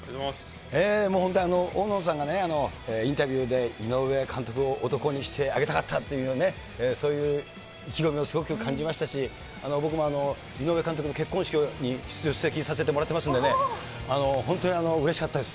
本当に大野さんがインタビューで井上監督を男にしてあげたかったというね、そういう意気込みをすごく感じましたし、僕も井上監督の結婚式に出席させてもらってますんでね、本当にうれしかったです。